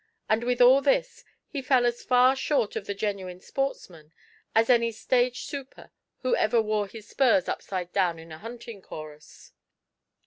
And with all this, he fell as far short of the genuine sportsman as any stage super who ever wore his spurs upside down in a hunting chorus.